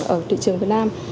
ở thị trường việt nam